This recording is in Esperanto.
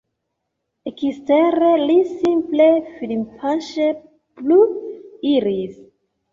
Ekstere, li simple firmpaŝe plu iris.